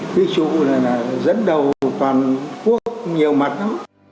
cái chú là dẫn đầu toàn quốc nhiều mặt đó